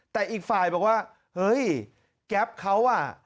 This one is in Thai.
แต่อีกฝ่ายบอกว่าเฮ้ยแก๊ปเขาอ่ะ